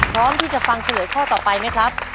พร้อมที่จะฟังเฉลยข้อต่อไปไหมครับ